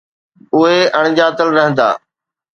اهي اڻ ڄاتل رهندا.